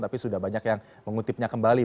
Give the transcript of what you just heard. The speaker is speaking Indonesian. tapi sudah banyak yang mengutipnya kembali